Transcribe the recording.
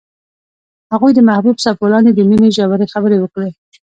هغوی د محبوب څپو لاندې د مینې ژورې خبرې وکړې.